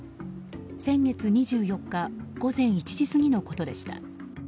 先月２４日午前１時過ぎのことでした。